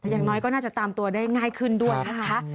อย่างน้อยก็น่าจะตามตัวได้ง่ายขึ้นด้วยนะคะ